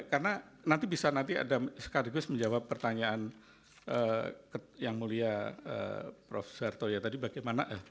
karena nanti bisa nanti adam sekadigus menjawab pertanyaan yang mulia prof sarto ya tadi bagaimana